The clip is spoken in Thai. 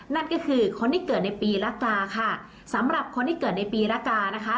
นั่นก็คือคนที่เกิดในปีละกาค่ะสำหรับคนที่เกิดในปีละกานะคะ